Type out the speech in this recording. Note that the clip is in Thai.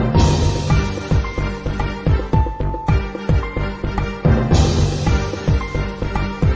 เจ้ามีคนอยู่ที่นี่